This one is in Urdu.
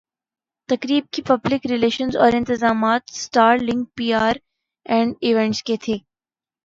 تقریب کی پبلک ریلشنزاورانتظامات Star Link P R and events کے تھے